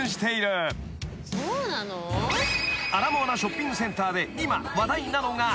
［アラモアナショッピングセンターで今話題なのが］